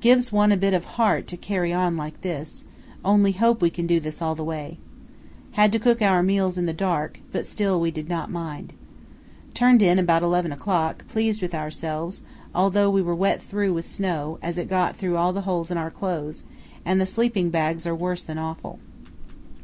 Gives one a bit of heart to carry on like this; only hope we can do this all the way. Had to cook our meals in the dark, but still we did not mind. Turned in about 11 o'clock, pleased with ourselves, although we were wet through with snow, as it got through all the holes in our clothes, and the sleeping bags are worse than awful.